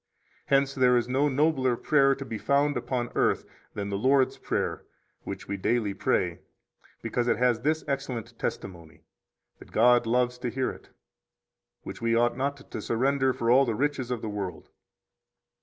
Hence there is no nobler prayer to be found upon earth than the Lord's Prayer which we daily pray, because it has this excellent testimony, that God loves to hear it, which we ought not to surrender for all the riches of the world.